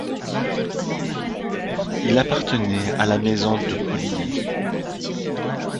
Il appartenait à la maison de Coligny.